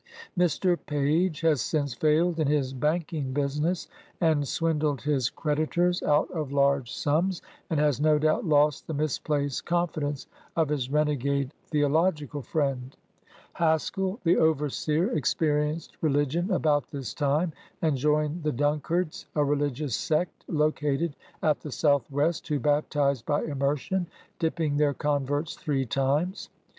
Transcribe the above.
Mr. Page has since failed in his banking business, and swindled his creditors out of large sums ; and has no doubt lost the misplaced con fidence of his renegade theological friend. AN AMERICAN BONDMAN. 23 Haskell, the overseer, experienced religion about this time, and joined the Duncards, a religious sect located at the Southwest, who baptise by immersion, dipping their converts three times.